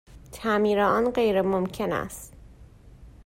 تعمیر آن غیرممکن است.